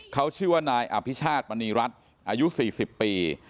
เขาชื่อว่านายอภิชาติมณีรัฐอายุ๔๐ปี